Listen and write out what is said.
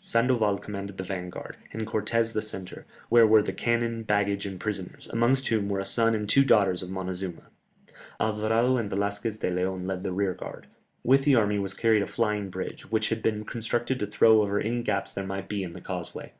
Sandoval commanded the vanguard, and Cortès the centre, where were the cannon, baggage, and prisoners, amongst whom were a son and two daughters of Montezuma; Alvarado and Velasquez de Léon led the rearguard. With the army was carried a flying bridge, which had been constructed to throw over any gaps there might be in the causeway.